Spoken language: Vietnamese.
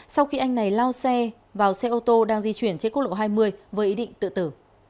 sau khi anh này lao xe vào xe ô tô đang di chuyển trên quốc lộ hai mươi với ý định tự tử